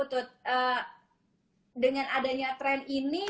hah ini cuma latah doang kok gitu cuma gaya hidupnya ini berbeda gitu itu yang terjadi sekarang ya